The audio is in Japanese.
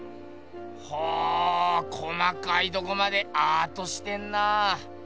ほぉ細かいとこまでアートしてんな。